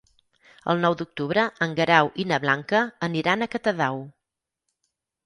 El nou d'octubre en Guerau i na Blanca aniran a Catadau.